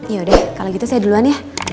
yaudah kalau gitu saya duluan ya